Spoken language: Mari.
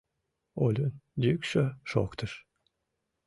— Олюн йӱкшӧ шоктыш.